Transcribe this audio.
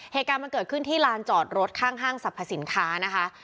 เหตุการณ์มันเกิดขึ้นที่ลานจอดรถข้างห้างสรรพสินค้านะคะ